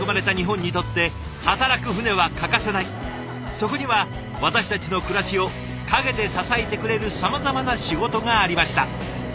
そこには私たちの暮らしを陰で支えてくれるさまざまな仕事がありました。